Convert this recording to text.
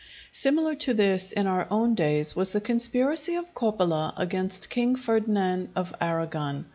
Similar to this, in our own days, was the conspiracy of Coppola against King Ferdinand of Aragon.